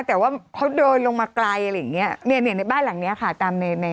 แต่ว่าเขาเดินลงมาไกลอะไรอย่างเงี้ยเนี่ยในบ้านหลังเนี้ยค่ะตามในใน